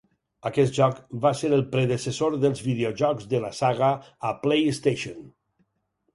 Aquest joc va ser el predecessor dels videojocs de la saga a PlayStation.